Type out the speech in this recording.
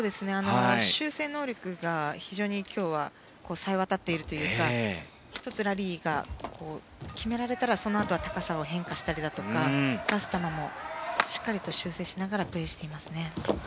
修正能力が非常に今日は冴えわたっているというか１つラリー決められたらそのあとは高さを変化したりだとか出す球もしっかりと修正しながらプレーしていますね。